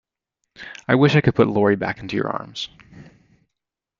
I wish I could put Lori back into your arms.